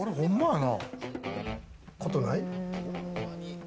ことない？